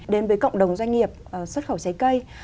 đến với cộng đồng doanh nghiệp xuất khẩu trái cây